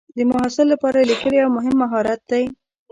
د محصل لپاره لیکل یو مهم مهارت دی.